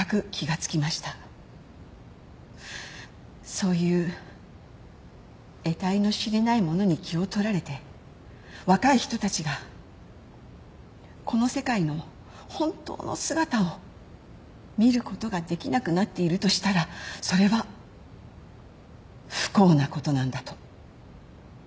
そういうえたいの知れないものに気を取られて若い人たちがこの世界の本当の姿を見ることができなくなっているとしたらそれは不幸なことなんだと。